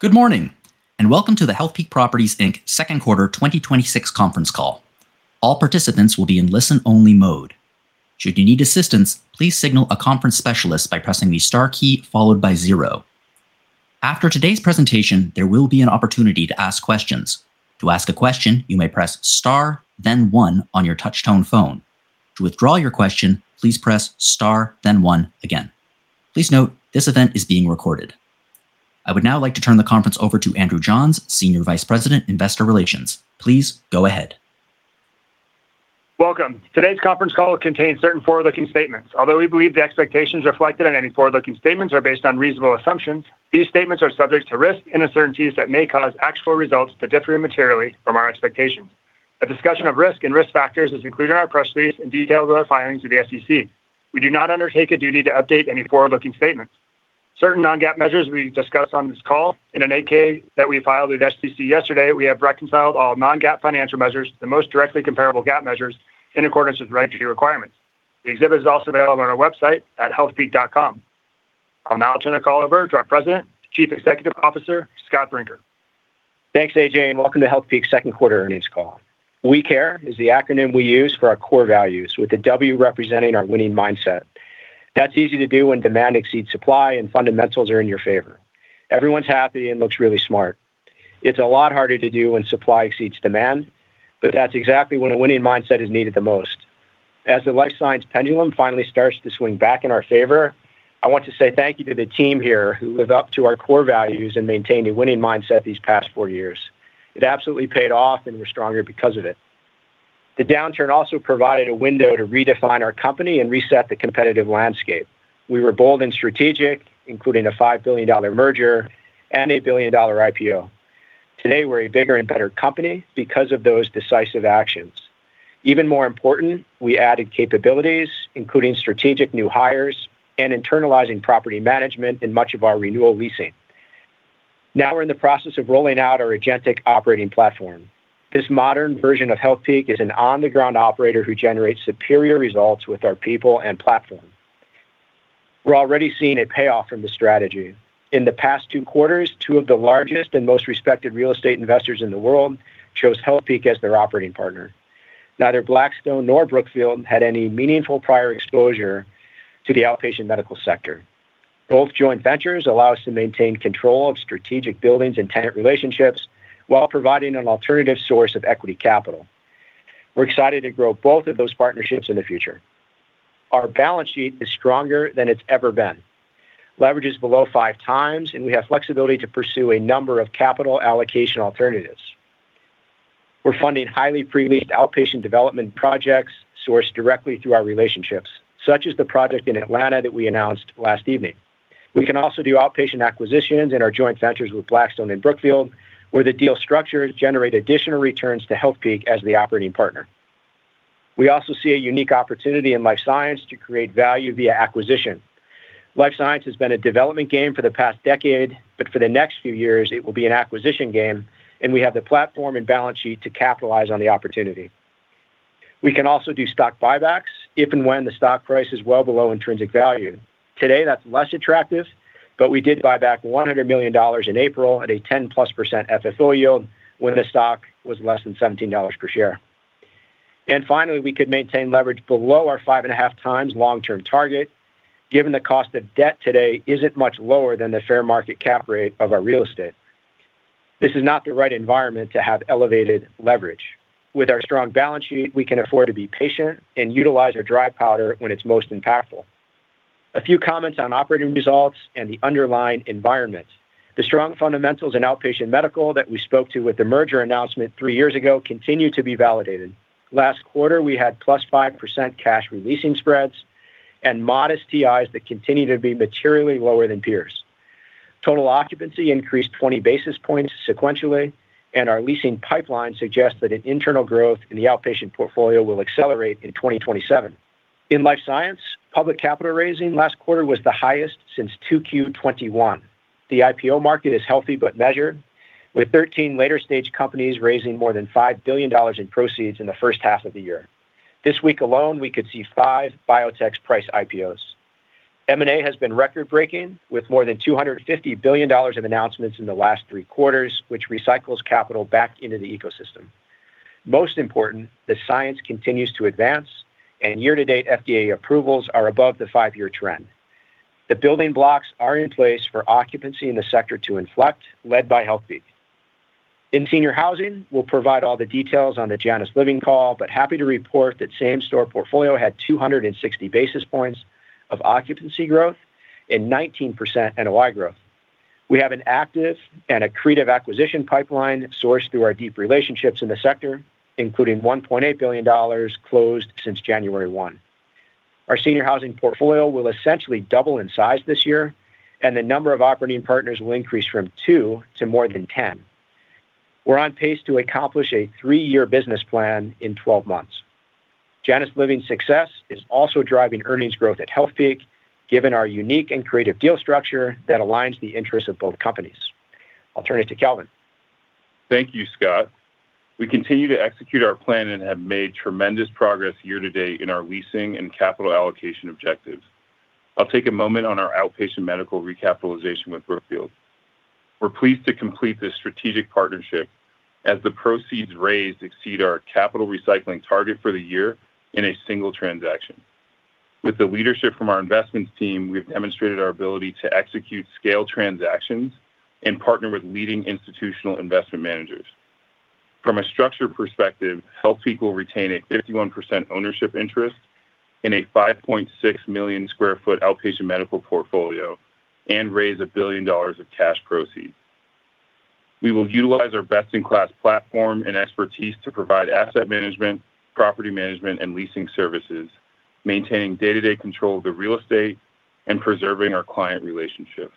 Good morning, and welcome to the Healthpeak Properties, Inc. Second Quarter 2026 Conference Call. All participants will be in listen-only mode. Should you need assistance, please signal a conference specialist by pressing the star key, followed by zero. After today's presentation, there will be an opportunity to ask questions. To ask a question, you may press star, then one on your touch tone phone. To withdraw your question, please press star, then one again. Please note, this event is being recorded. I would now like to turn the conference over to Andrew Johns, Senior Vice President, Investor Relations. Please go ahead. Welcome. Today's conference call contains certain forward-looking statements. Although we believe the expectations reflected on any forward-looking statements are based on reasonable assumptions, these statements are subject to risks and uncertainties that may cause actual results to differ materially from our expectations. A discussion of risk and risk factors is included in our press release and detailed in our filings with the SEC. We do not undertake a duty to update any forward-looking statements. Certain non-GAAP measures will be discussed on this call. In an Form 8-K that we filed with the SEC yesterday, we have reconciled all non-GAAP financial measures to the most directly comparable GAAP measures in accordance with regulatory requirements. The exhibit is also available on our website at healthpeak.com. I'll now turn the call over to our President, Chief Executive Officer, Scott Brinker. Thanks, A.J., and welcome to Healthpeak's Second Quarter Earnings Call. WE CARE is the acronym we use for our core values, with the W representing our winning mindset. That's easy to do when demand exceeds supply and fundamentals are in your favor. Everyone's happy and looks really smart. It's a lot harder to do when supply exceeds demand, but that's exactly when a winning mindset is needed the most. As the life science pendulum finally starts to swing back in our favor, I want to say thank you to the team here who live up to our core values and maintained a winning mindset these past four years. It absolutely paid off, and we're stronger because of it. The downturn also provided a window to redefine our company and reset the competitive landscape. We were bold and strategic, including a $5 billion merger and a $1 billion IPO. Today, we're a bigger and better company because of those decisive actions. Even more important, we added capabilities, including strategic new hires and internalizing property management in much of our renewal leasing. Now we're in the process of rolling out our agentic operating platform. This modern version of Healthpeak is an on-the-ground operator who generates superior results with our people and platform. We're already seeing a payoff from the strategy. In the past two quarters, two of the largest and most respected real estate investors in the world chose Healthpeak as their operating partner. Neither Blackstone nor Brookfield had any meaningful prior exposure to the outpatient medical sector. Both joint ventures allow us to maintain control of strategic buildings and tenant relationships while providing an alternative source of equity capital. We're excited to grow both of those partnerships in the future. Our balance sheet is stronger than it's ever been. Leverage is below 5x, and we have flexibility to pursue a number of capital allocation alternatives. We're funding highly pre-leased outpatient development projects sourced directly through our relationships, such as the project in Atlanta that we announced last evening. We can also do outpatient acquisitions in our joint ventures with Blackstone and Brookfield, where the deal structures generate additional returns to Healthpeak as the operating partner. We also see a unique opportunity in life science to create value via acquisition. Life science has been a development game for the past decade, but for the next few years it will be an acquisition game, and we have the platform and balance sheet to capitalize on the opportunity. We can also do stock buybacks, if and when the stock price is well below intrinsic value. Today, that's less attractive, but we did buy back $100 million in April at a 10+% FFO yield when the stock was less than $17 per share. Finally, we could maintain leverage below our 5.5x Long-term target, given the cost of debt today isn't much lower than the fair market cap rate of our real estate. This is not the right environment to have elevated leverage. With our strong balance sheet, we can afford to be patient and utilize our dry powder when it's most impactful. A few comments on operating results and the underlying environment. The strong fundamentals in outpatient medical that we spoke to with the merger announcement three years ago continue to be validated. Last quarter, we had +5% cash re-leasing spreads and modest TIs that continue to be materially lower than peers. Total occupancy increased 20 basis points sequentially, and our leasing pipeline suggests that an internal growth in the outpatient portfolio will accelerate in 2027. In life science, public capital raising last quarter was the highest since 2Q 2021. The IPO market is healthy but measured, with 13 later-stage companies raising more than $5 billion in proceeds in the first half of the year. This week alone, we could see five biotechs price IPOs. M&A has been record-breaking, with more than $250 billion of announcements in the last three quarters, which recycles capital back into the ecosystem. Most important, the science continues to advance, year-to-date FDA approvals are above the five-year trend. The building blocks are in place for occupancy in the sector to inflect, led by Healthpeak. In senior housing, we'll provide all the details on the Janus Living call, but happy to report that same-store portfolio had 260 basis points of occupancy growth and 19% NOI growth. We have an active and accretive acquisition pipeline sourced through our deep relationships in the sector, including $1.8 billion closed since January 1. Our senior housing portfolio will essentially double in size this year, and the number of operating partners will increase from two to more than 10. We're on pace to accomplish a three-year business plan in 12 months. Janus Living's success is also driving earnings growth at Healthpeak, given our unique and creative deal structure that aligns the interests of both companies. I'll turn it to Kelvin. Thank you, Scott. We continue to execute our plan and have made tremendous progress year to date in our leasing and capital allocation objectives. I'll take a moment on our outpatient medical recapitalization with Brookfield. We're pleased to complete this strategic partnership as the proceeds raised exceed our capital recycling target for the year in a single transaction. With the leadership from our investments team, we've demonstrated our ability to execute scale transactions and partner with leading institutional investment managers. From a structure perspective, Healthpeak will retain a 51% ownership interest in a 5.6 million square foot outpatient medical portfolio and raise $1 billion of cash proceeds. We will utilize our best in class platform and expertise to provide asset management, property management, and leasing services, maintaining day-to-day control of the real estate and preserving our client relationships.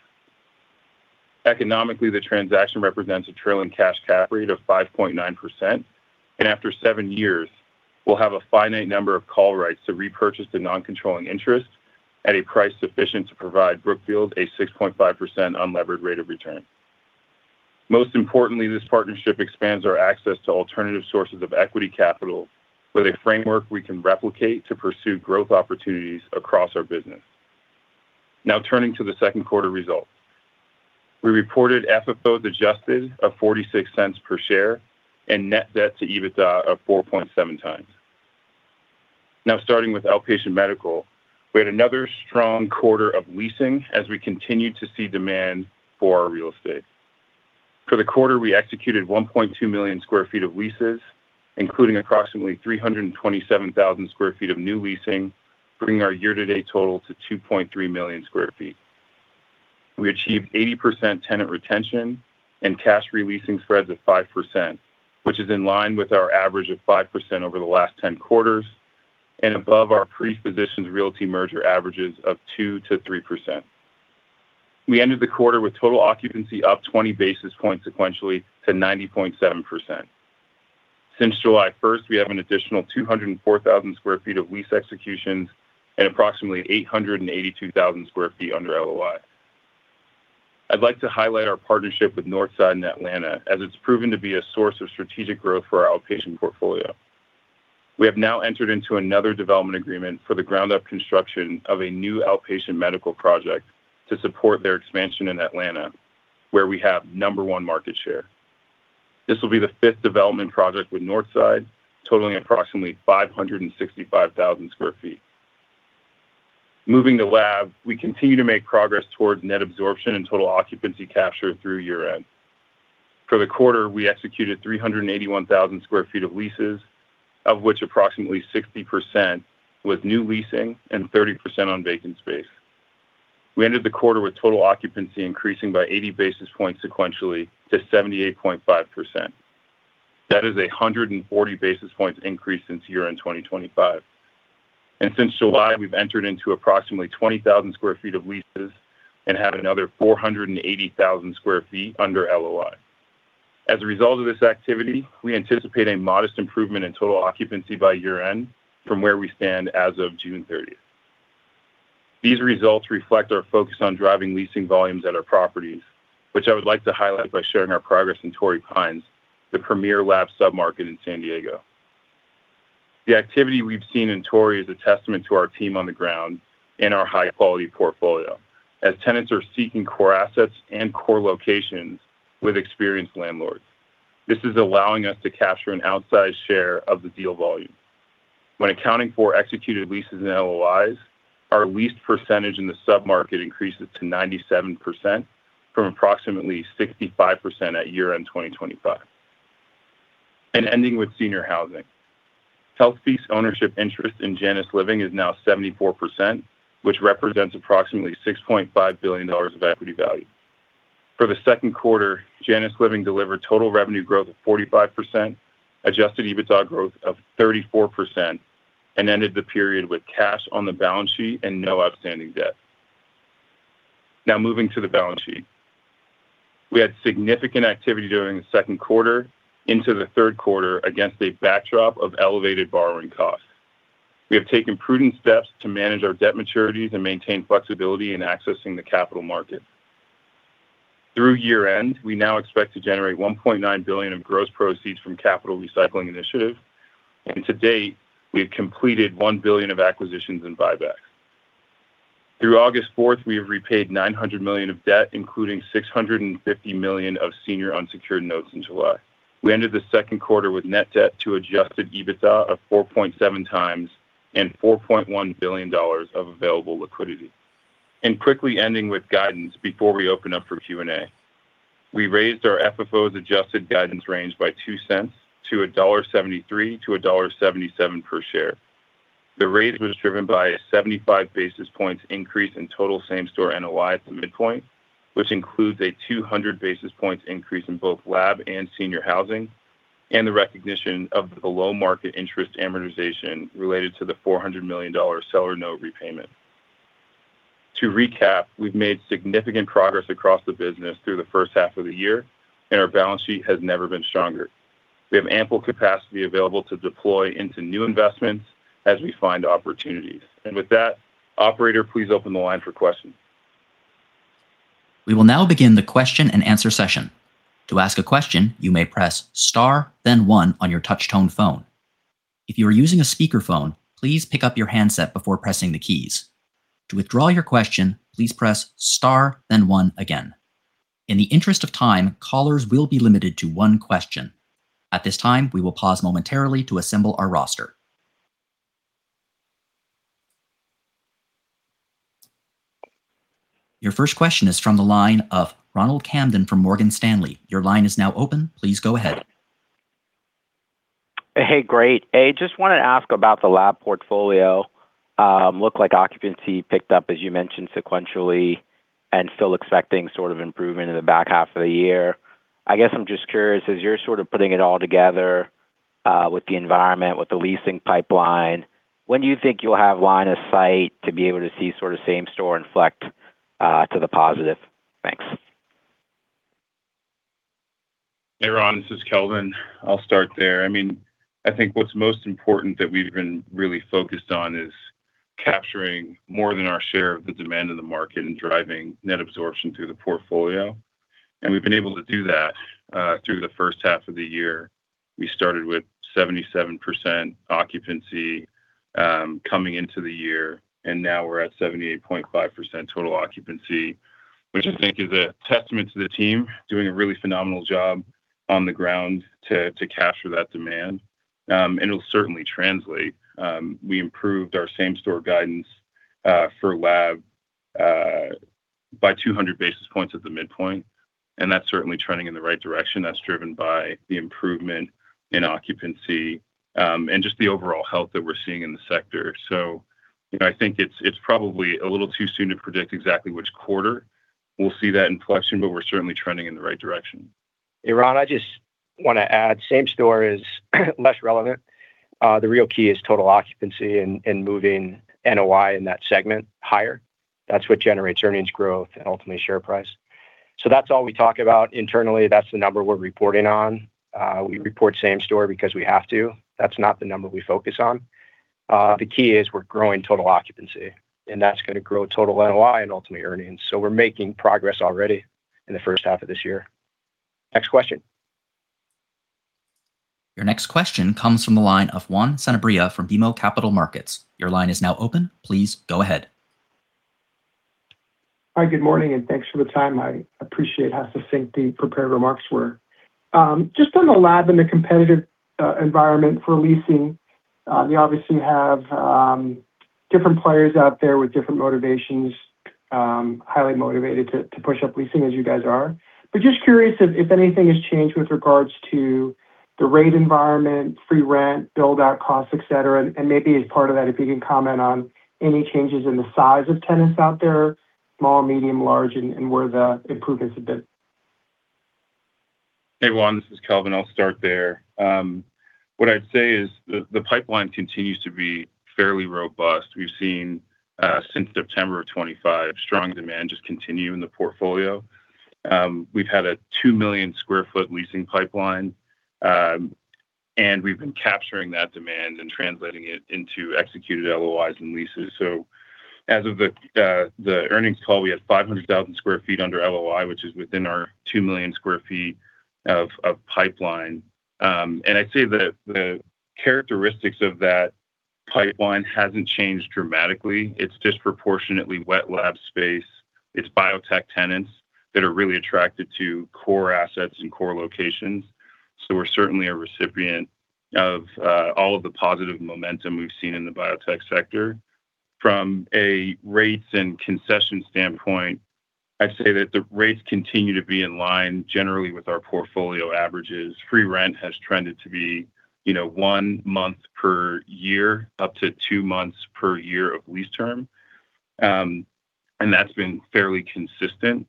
Economically, the transaction represents a trailing cash cap rate of 5.9%, and after seven years, we'll have a finite number of call rights to repurchase the non-controlling interest at a price sufficient to provide Brookfield a 6.5% unlevered rate of return. Most importantly, this partnership expands our access to alternative sources of equity capital with a framework we can replicate to pursue growth opportunities across our business. Now turning to the second quarter results. We reported FFOs adjusted of $0.46 per share and net debt to EBITDA of 4.7x. Now starting with outpatient medical, we had another strong quarter of leasing as we continued to see demand for our real estate. For the quarter, we executed 1.2 million square feet of leases, including approximately 327,000 sq ft of new leasing, bringing our year to date total to 2.3 million square feet. We achieved 80% tenant retention and cash re-leasing spreads of 5%, which is in line with our average of 5% over the last 10 quarters and above our pre-Physicians Realty Trust merger averages of 2%-3%. We ended the quarter with total occupancy up 20 basis points sequentially to 90.7%. Since July 1st, we have an additional 204,000 sq ft of lease executions and approximately 882,000 sq ft under LOI. I'd like to highlight our partnership with Northside in Atlanta, as it's proven to be a source of strategic growth for our outpatient portfolio. We have now entered into another development agreement for the ground up construction of a new outpatient medical project to support their expansion in Atlanta, where we have number one market share. This will be the fifth development project with Northside, totaling approximately 565,000 sq ft. Moving to lab, we continue to make progress towards net absorption and total occupancy capture through year end. For the quarter, we executed 381,000 sq ft of leases, of which approximately 60% was new leasing and 30% on vacant space. We ended the quarter with total occupancy increasing by 80 basis points sequentially to 78.5%. That is 140 basis points increase since year end 2025. Since July, we've entered into approximately 20,000 sq ft of leases and have another 480,000 sq ft under LOI. As a result of this activity, we anticipate a modest improvement in total occupancy by year end from where we stand as of June 30th. These results reflect our focus on driving leasing volumes at our properties, which I would like to highlight by sharing our progress in Torrey Pines, the premier lab submarket in San Diego. The activity we've seen in Torrey Pines is a testament to our team on the ground and our high quality portfolio as tenants are seeking core assets and core locations with experienced landlords. This is allowing us to capture an outsized share of the deal volume. When accounting for executed leases and LOIs, our leased percentage in the sub-market increases to 97% from approximately 65% at year end 2025. Ending with senior housing, Healthpeak's ownership interest in Janus Living is now 74%, which represents approximately $6.5 billion of equity value. For the second quarter, Janus Living delivered total revenue growth of 45%, adjusted EBITDA growth of 34%, and ended the period with cash on the balance sheet and no outstanding debt. Now moving to the balance sheet. We had significant activity during the second quarter into the third quarter against a backdrop of elevated borrowing costs. We have taken prudent steps to manage our debt maturities and maintain flexibility in accessing the capital market. Through year end, we now expect to generate $1.9 billion of gross proceeds from capital recycling initiatives. To date, we have completed $1 billion of acquisitions and buybacks. Through August 4th, we have repaid $900 million of debt, including $650 million of senior unsecured notes in July. We ended the second quarter with net debt to adjusted EBITDA of 4.7x and $4.1 billion of available liquidity. Quickly ending with guidance before we open up for Q&A. We raised our FFO's adjusted guidance range by $0.02 to a $1.73 to a $1.77 per share. The rate was driven by a 75 basis points increase in total same store NOI at the midpoint, which includes a 200 basis points increase in both lab and senior housing and the recognition of the low market interest amortization related to the $400 million seller note repayment. To recap, we've made significant progress across the business through the first half of the year, and our balance sheet has never been stronger. We have ample capacity available to deploy into new investments as we find opportunities. With that, operator, please open the line for questions. We will now begin the question-and-answer session. Your first question is from the line of Ronald Kamdem from Morgan Stanley. Your line is now open. Please go ahead. Hey, great. I just want to ask about the lab portfolio. Look like occupancy picked up, as you mentioned, sequentially, and still expecting sort of improvement in the back half of the year. I guess I'm just curious, as you're sort of putting it all together with the environment, with the leasing pipeline, when do you think you'll have line of sight to be able to see sort of same store inflect to the positive? Thanks. Hey, Ron. This is Kelvin. I'll start there. I think what's most important that we've been really focused on is capturing more than our share of the demand in the market and driving net absorption through the portfolio, and we've been able to do that through the first half of the year. We started with 77% occupancy coming into the year, and now we're at 78.5% total occupancy, which I think is a testament to the team doing a really phenomenal job on the ground to capture that demand. It'll certainly translate. We improved our same store guidance for lab by 200 basis points at the midpoint, and that's certainly trending in the right direction. That's driven by the improvement in occupancy and just the overall health that we're seeing in the sector. I think it's probably a little too soon to predict exactly which quarter we'll see that inflection, but we're certainly trending in the right direction. Hey, Ron, I just want to add, same store is less relevant. The real key is total occupancy and moving NOI in that segment higher. That's what generates earnings growth and ultimately share price. That's all we talk about internally. That's the number we're reporting on. We report same store because we have to. That's not the number we focus on. The key is we're growing total occupancy, and that's going to grow total NOI and ultimately earnings. We're making progress already in the first half of this year. Your next question comes from the line of Juan Sanabria from BMO Capital Markets. Your line is now open. Please go ahead. Hi, good morning, thanks for the time. I appreciate how succinct the prepared remarks were. Just on the lab and the competitive environment for leasing. You obviously have different players out there with different motivations, highly motivated to push up leasing as you guys are. Just curious if anything has changed with regards to the rate environment, free rent, build out costs, et cetera. Maybe as part of that, if you can comment on any changes in the size of tenants out there, small, medium, large, and where the improvements have been. Hey, Juan, this is Kelvin. I'll start there. What I'd say is the pipeline continues to be fairly robust. We've seen, since September of 2025, strong demand just continue in the portfolio. We've had a 2 million square foot leasing pipeline, we've been capturing that demand and translating it into executed LOIs and leases. As of the earnings call, we had 500,000 sq ft under LOI, which is within our 2 million square feet of pipeline. I'd say that the characteristics of that pipeline hasn't changed dramatically. It's disproportionately wet lab space. It's biotech tenants that are really attracted to core assets and core locations. We're certainly a recipient of all of the positive momentum we've seen in the biotech sector. From a rates and concession standpoint, I'd say that the rates continue to be in line generally with our portfolio averages. Free rent has trended to be one month per year, up to two months per year of lease term. That's been fairly consistent.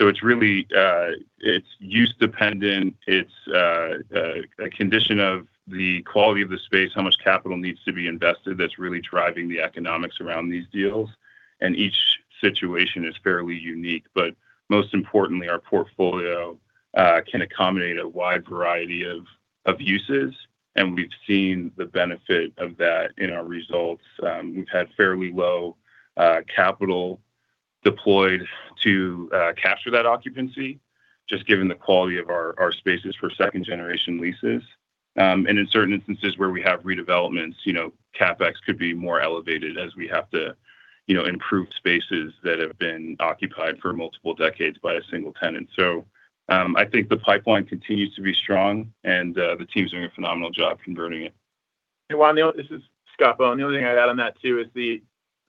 It's use dependent. It's a condition of the quality of the space, how much capital needs to be invested that's really driving the economics around these deals. Each situation is fairly unique. Most importantly, our portfolio can accommodate a wide variety of uses, and we've seen the benefit of that in our results. We've had fairly low capital deployed to capture that occupancy, just given the quality of our spaces for second generation leases. In certain instances where we have redevelopments, CapEx could be more elevated as we have to improve spaces that have been occupied for multiple decades by a single tenant. I think the pipeline continues to be strong, and the team's doing a phenomenal job converting it. Hey, Juan, this is Scott Bohn. The only thing I'd add on that too is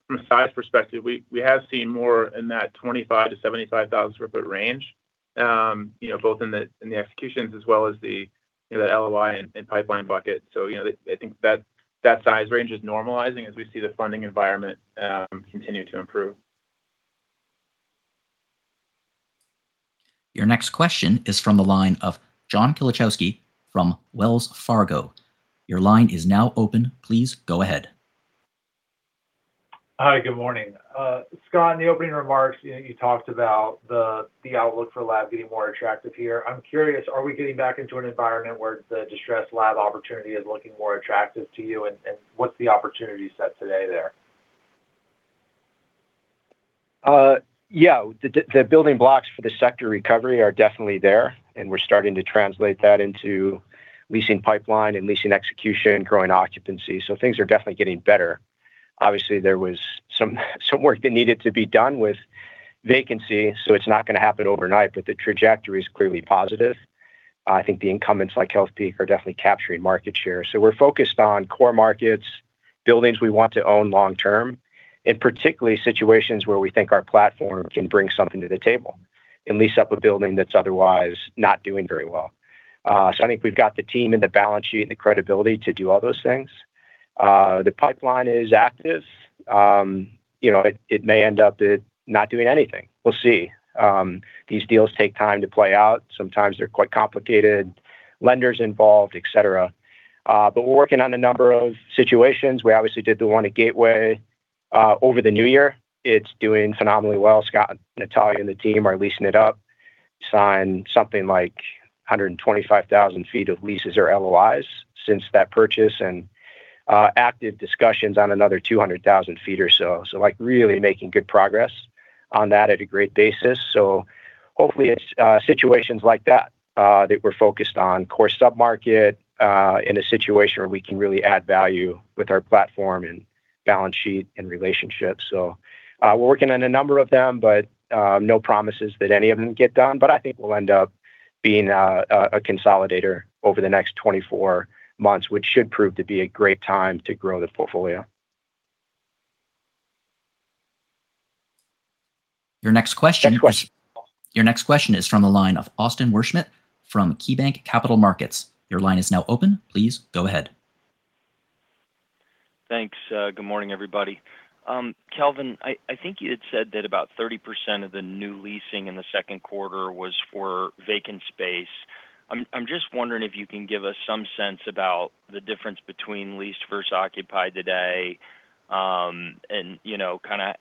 from a size perspective, we have seen more in that 25,000 sq ft-75,000 sq ft range, both in the executions as well as the LOI and pipeline bucket. I think that size range is normalizing as we see the funding environment continue to improve. Your next question is from the line of John Kilichowski from Wells Fargo. Your line is now open. Please go ahead. Hi, good morning. Scott, in the opening remarks, you talked about the outlook for lab getting more attractive here. I'm curious, are we getting back into an environment where the distressed lab opportunity is looking more attractive to you, and what's the opportunity set today there? Yeah. The building blocks for the sector recovery are definitely there, and we're starting to translate that into leasing pipeline and leasing execution, growing occupancy. Things are definitely getting better. Obviously, there was some work that needed to be done with vacancy, so it's not going to happen overnight, but the trajectory is clearly positive. I think the incumbents like Healthpeak are definitely capturing market share. We're focused on core markets, buildings we want to own long term, and particularly situations where we think our platform can bring something to the table and lease up a building that's otherwise not doing very well. I think we've got the team and the balance sheet and the credibility to do all those things. The pipeline is active. It may end up not doing anything. We'll see. These deals take time to play out. Sometimes they're quite complicated, lenders involved, et cetera. We're working on a number of situations. We obviously did the one at Gateway over the new year. It's doing phenomenally well. Scott, Natalia, and the team are leasing it up. Signed something like 125,000 ft of leases or LOIs since that purchase, and active discussions on another 200,000 ft or so. Really making good progress on that at a great basis. Hopefully it's situations like that we're focused on core sub-market in a situation where we can really add value with our platform and balance sheet and relationships. We're working on a number of them, but no promises that any of them get done. I think we'll end up being a consolidator over the next 24 months, which should prove to be a great time to grow the portfolio. Your next question is from the line of Austin Wurschmidt from KeyBanc Capital Markets. Your line is now open. Please go ahead. Thanks. Good morning, everybody. Kelvin, I think you had said that about 30% of the new leasing in the second quarter was for vacant space. I'm just wondering if you can give us some sense about the difference between leased versus occupied today, and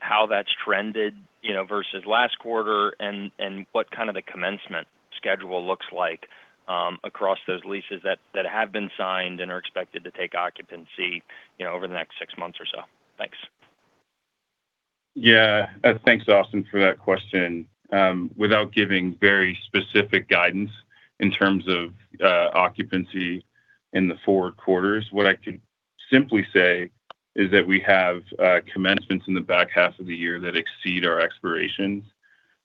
how that's trended versus last quarter? What the commencement schedule looks like across those leases that have been signed and are expected to take occupancy over the next six months or so? Thanks. Yeah. Thanks, Austin, for that question. Without giving very specific guidance in terms of occupancy in the forward quarters, what I can simply say is that we have commencements in the back half of the year that exceed our expirations.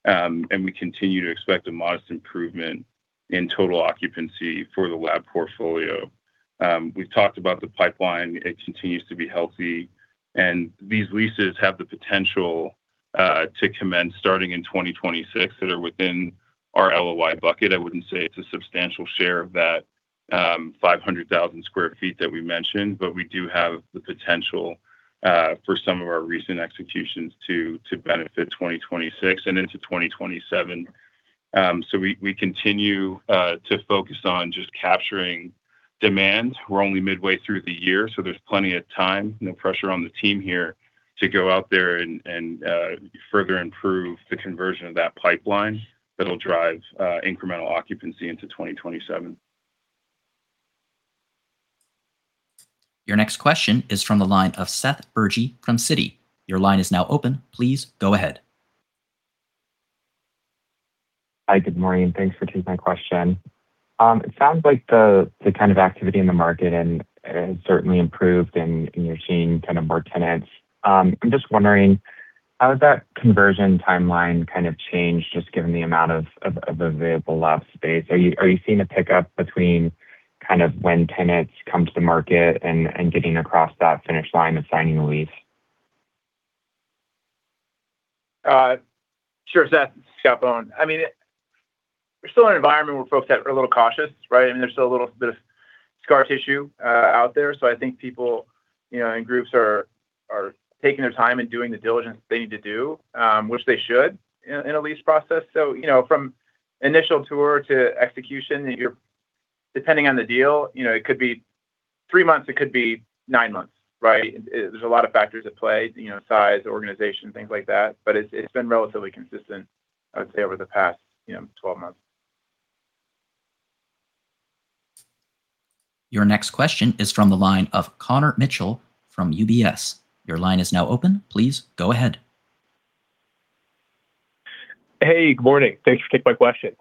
We continue to expect a modest improvement in total occupancy for the lab portfolio. We've talked about the pipeline. It continues to be healthy. These leases have the potential to commence starting in 2026 that are within our LOI bucket. I wouldn't say it's a substantial share of that 500,000 sq ft that we mentioned, but we do have the potential for some of our recent executions to benefit 2026 and into 2027. We continue to focus on just capturing demand. We're only midway through the year, there's plenty of time, no pressure on the team here to go out there and further improve the conversion of that pipeline that'll drive incremental occupancy into 2027. Your next question is from the line of Seth Bergey from Citi. Your line is now open. Please go ahead. Hi. Good morning. Thanks for taking my question. It sounds like the kind of activity in the market has certainly improved and you're seeing more tenants. I'm just wondering, how has that conversion timeline kind of changed, just given the amount of available lab space? Are you seeing a pickup between kind of when tenants come to the market and getting across that finish line of signing a lease? Sure, Seth. Scott Bohn. We're still in an environment where folks are a little cautious, right? There's still a little bit of scar tissue out there. I think people and groups are taking their time and doing the diligence they need to do, which they should in a lease process. From initial tour to execution, depending on the deal, it could be three months, it could be nine months, right? There's a lot of factors at play, size, organization, things like that. It's been relatively consistent, I would say, over the past 12 months. Your next question is from the line of Connor Mitchell from UBS. Your line is now open. Please go ahead. Hey, good morning. Thanks for taking my question.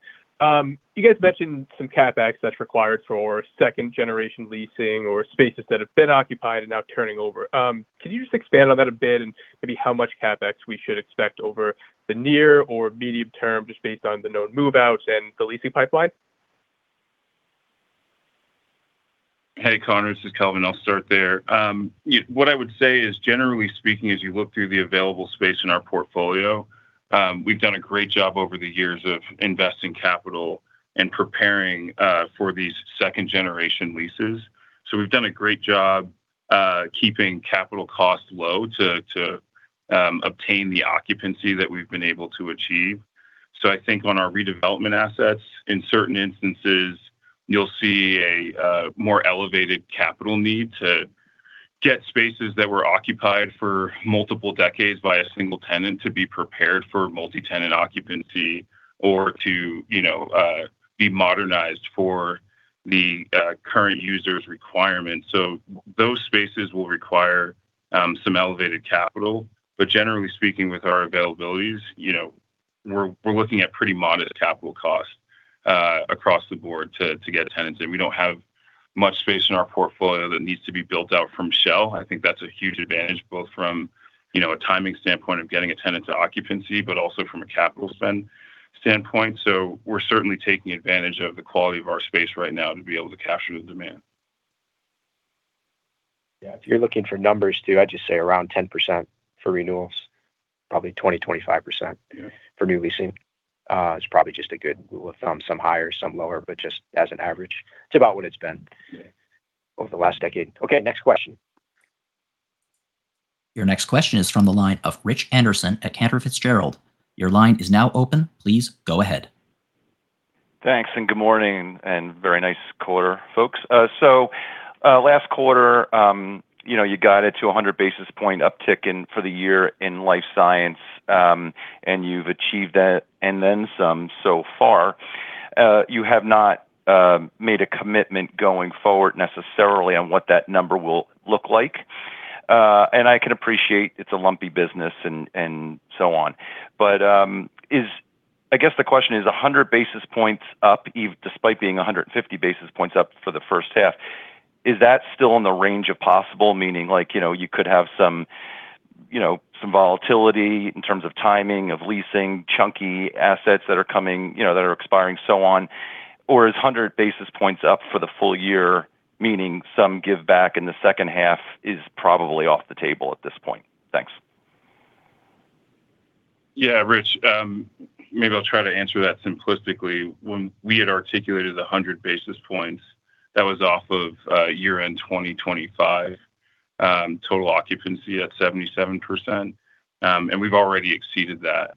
You guys mentioned some CapEx that's required for second generation leasing or spaces that have been occupied and now turning over. Can you just expand on that a bit and maybe how much CapEx we should expect over the near or medium term, just based on the known move-outs and the leasing pipeline? Hey, Connor, this is Kelvin. I'll start there. What I would say is, generally speaking, as you look through the available space in our portfolio, we've done a great job over the years of investing capital and preparing for these second generation leases. We've done a great job keeping capital costs low to obtain the occupancy that we've been able to achieve. I think on our redevelopment assets, in certain instances, you'll see a more elevated capital need to get spaces that were occupied for multiple decades by a single tenant to be prepared for multi-tenant occupancy or to be modernized for the current user's requirements. Those spaces will require some elevated capital. Generally speaking, with our availabilities, we're looking at pretty modest capital costs across the board to get tenants in. We don't have much space in our portfolio that needs to be built out from shell. I think that's a huge advantage, both from a timing standpoint of getting a tenant to occupancy, but also from a capital spend standpoint. We're certainly taking advantage of the quality of our space right now to be able to capture the demand. Yeah. If you're looking for numbers too, I'd just say around 10% for renewals, probably 20%, 25% for new leasing. It's probably just a good rule of thumb. Some higher, some lower, but just as an average, it's about what it's been over the last decade. Your next question is from the line of Rich Anderson at Cantor Fitzgerald. Your line is now open. Please go ahead. Thanks, and good morning, and very nice quarter, folks. Last quarter, you got it to 100 basis point uptick for the year in life science. You've achieved that and then some so far. You have not made a commitment going forward necessarily on what that number will look like. I can appreciate it's a lumpy business and so on. I guess the question is 100 basis points up, despite being 150 basis points up for the first half, is that still in the range of possible? Meaning like you could have some volatility in terms of timing of leasing chunky assets that are expiring, so on, or is 100 basis points up for the full year? Meaning some give back in the second half is probably off the table at this point? Thanks. Yeah, Rich. Maybe I'll try to answer that simplistically. When we had articulated 100 basis points, that was off of year-end 2025, total occupancy at 77%. We've already exceeded that.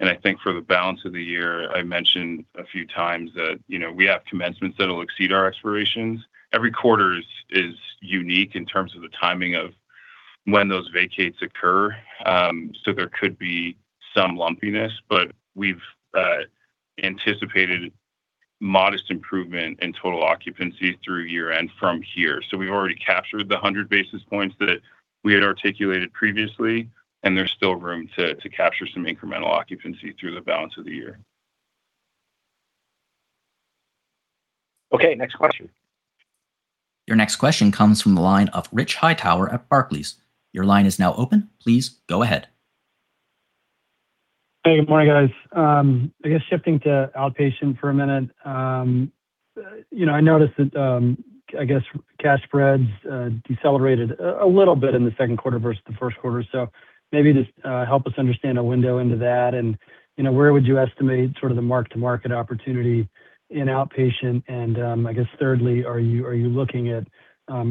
I think for the balance of the year, I mentioned a few times that we have commencements that'll exceed our expirations. Every quarter is unique in terms of the timing of when those vacates occur. There could be some lumpiness, but we've anticipated modest improvement in total occupancy through year-end from here. We've already captured the 100 basis points that we had articulated previously, and there's still room to capture some incremental occupancy through the balance of the year. Your next question comes from the line of Rich Hightower at Barclays. Your line is now open. Please go ahead. Hey, good morning, guys. I guess, shifting to outpatient for a minute. I noticed that, I guess, cash spreads decelerated a little bit in the second quarter versus the first quarter. Maybe just help us understand a window into that and where would you estimate sort of the mark to market opportunity in outpatient? I guess thirdly, are you looking at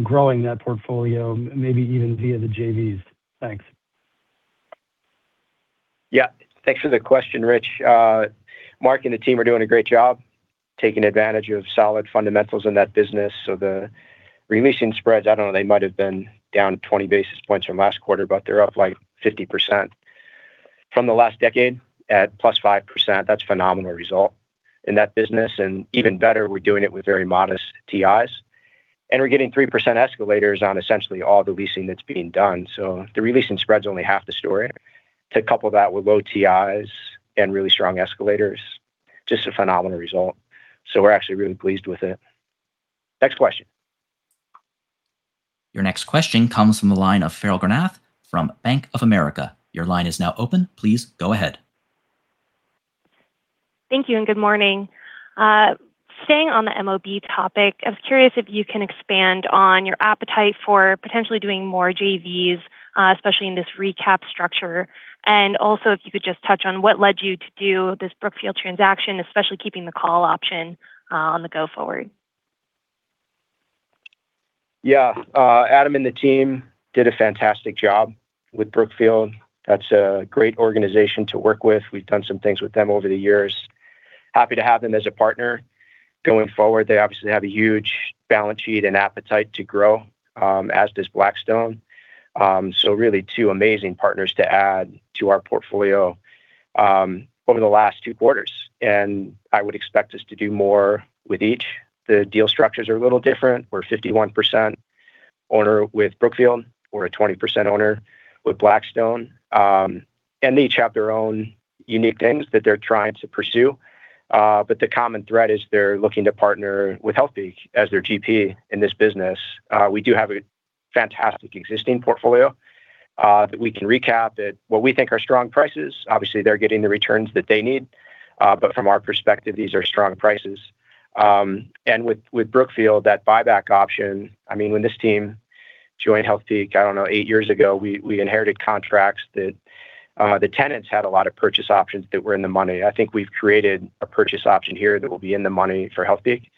growing that portfolio, maybe even via the JVs? Thanks. Yeah. Thanks for the question, Rich. Mark and the team are doing a great job taking advantage of solid fundamentals in that business. The re-leasing spreads, I don't know, they might have been down 20 basis points from last quarter, but they're up, like, 50% from the last decade at +5%. That's a phenomenal result in that business. Even better, we're doing it with very modest TIs, and we're getting 3% escalators on essentially all the leasing that's being done. The re-leasing spread's only half the story. To couple that with low TIs and really strong escalators, just a phenomenal result. We're actually really pleased with it. Your next question comes from the line of Farrell Granath from Bank of America. Your line is now open. Please go ahead. Thank you, and good morning. Staying on the MOB topic, I was curious if you can expand on your appetite for potentially doing more JVs, especially in this recap structure? Also, if you could just touch on what led you to do this Brookfield transaction, especially keeping the call option on the go forward? Yeah. Adam and the team did a fantastic job with Brookfield. That's a great organization to work with. We've done some things with them over the years. Happy to have them as a partner going forward. They obviously have a huge balance sheet and appetite to grow, as does Blackstone. Really two amazing partners to add to our portfolio over the last two quarters, and I would expect us to do more with each. The deal structures are a little different. We're a 51% owner with Brookfield. We're a 20% owner with Blackstone. They each have their own unique things that they're trying to pursue. The common thread is they're looking to partner with Healthpeak as their GP in this business. We do have a fantastic existing portfolio that we can recap at what we think are strong prices. Obviously, they're getting the returns that they need. From our perspective, these are strong prices. With Brookfield, that buyback option, when this team joined Healthpeak, I don't know, eight years ago, we inherited contracts that the tenants had a lot of purchase options that were in the money. I think we've created a purchase option here that will be in the money for Healthpeak.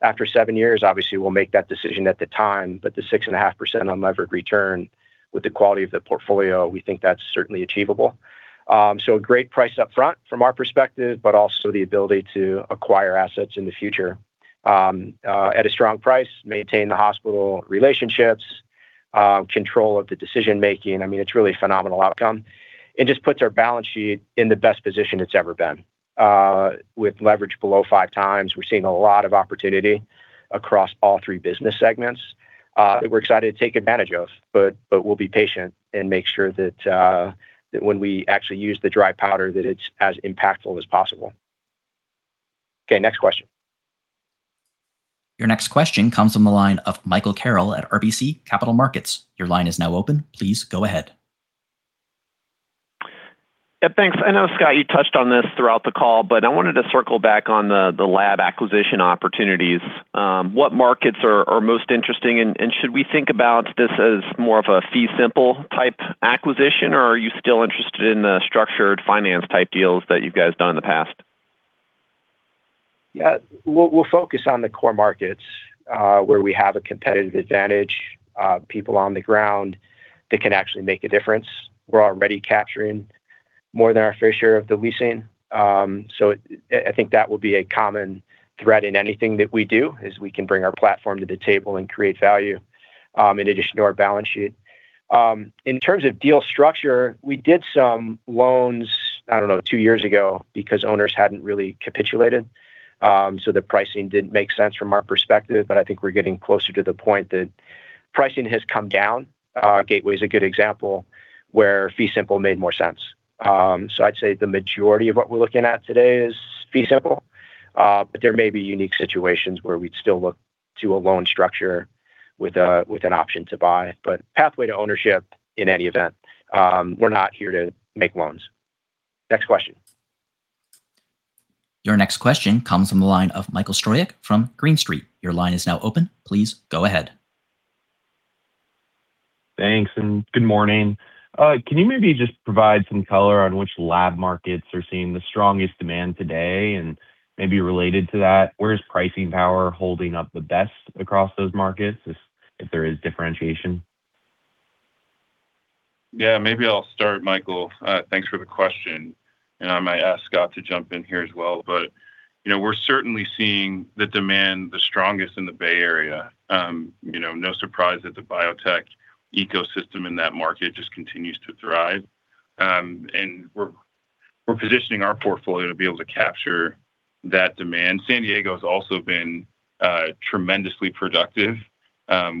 After seven years, obviously, we'll make that decision at the time, but the 6.5% unlevered return with the quality of the portfolio, we think that's certainly achievable. A great price up front from our perspective, but also the ability to acquire assets in the future at a strong price, maintain the hospital relationships. Control of the decision making. It's really a phenomenal outcome, and just puts our balance sheet in the best position it's ever been. With leverage below five times, we're seeing a lot of opportunity across all three business segments that we're excited to take advantage of. We'll be patient and make sure that when we actually use the dry powder, that it's as impactful as possible. Your next question comes from the line of Michael Carroll at RBC Capital Markets. Your line is now open. Please go ahead. Yeah, thanks. I know, Scott, you touched on this throughout the call, I wanted to circle back on the lab acquisition opportunities. What markets are most interesting, and should we think about this as more of a fee simple type acquisition, or are you still interested in the structured finance type deals that you guys have done in the past? Yeah. We'll focus on the core markets where we have a competitive advantage, people on the ground that can actually make a difference. We're already capturing more than our fair share of the leasing. I think that will be a common thread in anything that we do, is we can bring our platform to the table and create value in addition to our balance sheet. In terms of deal structure, we did some loans, I don't know, two years ago, because owners hadn't really capitulated. The pricing didn't make sense from our perspective, I think we're getting closer to the point that pricing has come down. Gateway's a good example where fee simple made more sense. I'd say the majority of what we're looking at today is fee simple. There may be unique situations where we'd still look to a loan structure with an option to buy. Pathway to ownership in any event. We're not here to make loans. Your next question comes from the line of Michael Stroyeck from Green Street. Your line is now open. Please go ahead. Thanks, good morning. Can you maybe just provide some color on which lab markets are seeing the strongest demand today? Maybe related to that, where is pricing power holding up the best across those markets, if there is differentiation? Yeah, maybe I'll start, Michael. Thanks for the question. I might ask Scott to jump in here as well. We're certainly seeing the demand the strongest in the Bay Area. No surprise that the biotech ecosystem in that market just continues to thrive. We're positioning our portfolio to be able to capture that demand. San Diego's also been tremendously productive.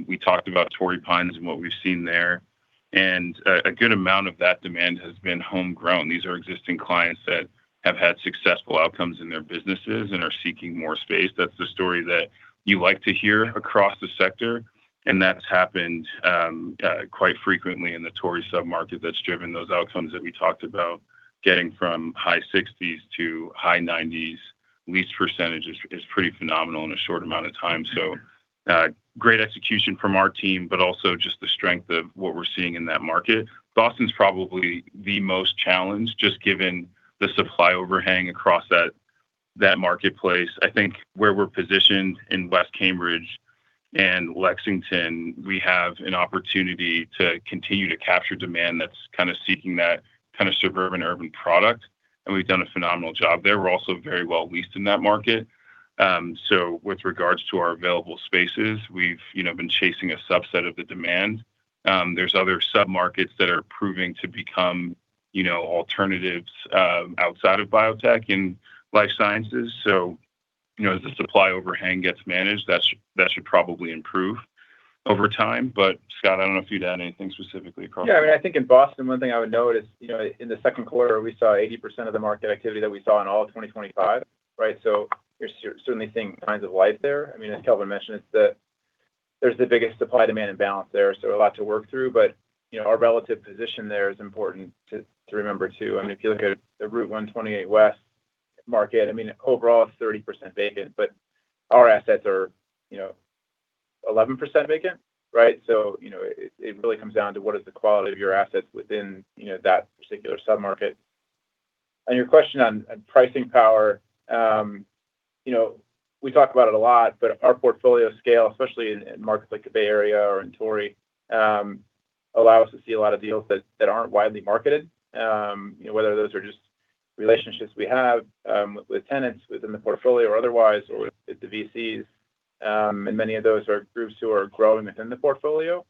We talked about Torrey Pines and what we've seen there, and a good amount of that demand has been homegrown. These are existing clients that have had successful outcomes in their businesses and are seeking more space. That's the story that you like to hear across the sector, and that's happened quite frequently in the Torrey submarket that's driven those outcomes that we talked about. Getting from high 60s to high 90s lease percentage is pretty phenomenal in a short amount of time. Great execution from our team, but also just the strength of what we're seeing in that market. Boston's probably the most challenged, just given the supply overhang across that marketplace. I think where we're positioned in West Cambridge and Lexington, we have an opportunity to continue to capture demand that's kind of seeking that kind of suburban, urban product, and we've done a phenomenal job there. We're also very well leased in that market. With regards to our available spaces, we've been chasing a subset of the demand. There's other submarkets that are proving to become alternatives outside of biotech in life sciences. As the supply overhang gets managed, that should probably improve over time. Scott, I don't know if you'd add anything specifically across- I think in Boston, one thing I would note is, in the second quarter, we saw 80% of the market activity that we saw in all of 2025. Right? You're certainly seeing signs of life there. As Kelvin mentioned, there's the biggest supply, demand imbalance there, a lot to work through. Our relative position there is important to remember, too. If you look at the Route 128 West market, overall it's 30% vacant, but our assets are 11% vacant. Right? It really comes down to what is the quality of your assets within that particular submarket. Your question on pricing power. We talk about it a lot, our portfolio scale, especially in markets like the Bay Area or in Torrey, allow us to see a lot of deals that aren't widely marketed. Whether those are just relationships we have with tenants within the portfolio or otherwise, or with the VCs. Many of those are groups who are growing within the portfolio.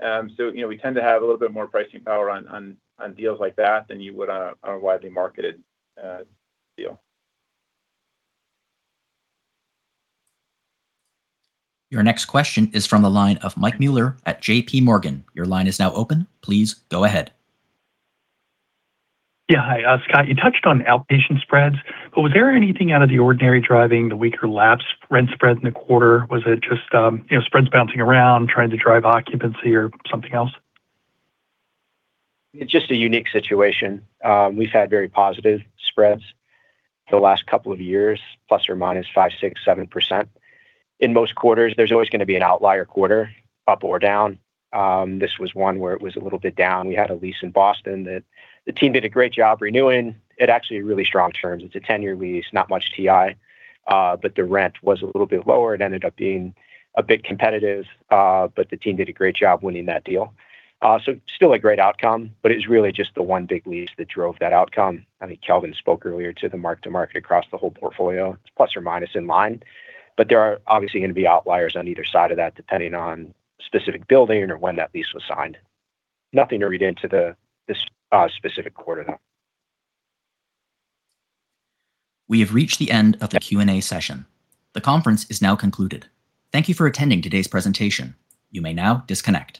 We tend to have a little bit more pricing power on deals like that than you would on a widely marketed deal. Your next question is from the line of Mike Mueller at JPMorgan. Your line is now open. Please go ahead. Yeah. Hi. Scott, you touched on outpatient spreads, was there anything out of the ordinary driving the weaker lab rent spreads in the quarter? Was it just spreads bouncing around, trying to drive occupancy or something else? It's just a unique situation. We've had very positive spreads the last couple of years, ±5%, 6%, 7%. In most quarters, there's always going to be an outlier quarter, up or down. This was one where it was a little bit down. We had a lease in Boston that the team did a great job renewing at actually really strong terms. It's a 10-year lease, not much TIs. The rent was a little bit lower and ended up being a bit competitive, the team did a great job winning that deal. Still a great outcome, it was really just the one big lease that drove that outcome. I think Kelvin spoke earlier to the mark-to-market across the whole portfolio. It's plus or minus in line. There are obviously going to be outliers on either side of that, depending on specific building or when that lease was signed. Nothing to read into this specific quarter, though. We have reached the end of the Q&A session. The conference is now concluded. Thank you for attending today's presentation. You may now disconnect.